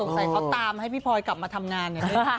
สงสัยเขาตามให้พี่พลอยกลับมาทำงาน